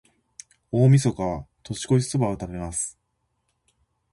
大晦日は、年越しそばを食べます。